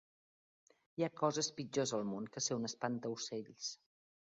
Hi ha coses pitjors al món que ser un espantaocells.